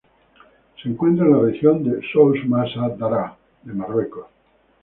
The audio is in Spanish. Se encuentra en la región de Souss-Massa-Drâa de Marruecos.